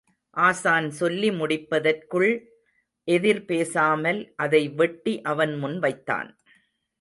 ஆசான் சொல்லி முடிப்பதற்குள் எதிர் பேசாமல் அதை வெட்டி அவன் முன் வைத்தான்.